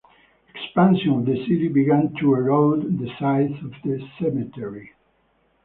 Expansion of the city began to erode the size of the cemetery.